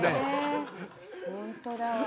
本当だわ。